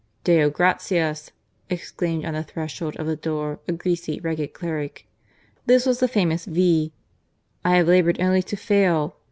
^^Deo GratiasI" exclaimed on the threshold of the door a greasy, ragged cleric. This was the famous V .I have laboured only to fail.